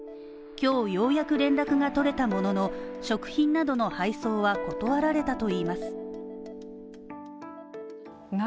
今日ようやく連絡が取れたものの、食品などの配送は断られたといいます。